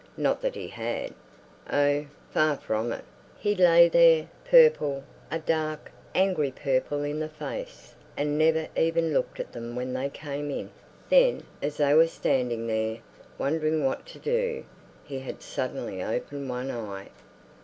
Not that he had. Oh, far from it! He lay there, purple, a dark, angry purple in the face, and never even looked at them when they came in. Then, as they were standing there, wondering what to do, he had suddenly opened one eye.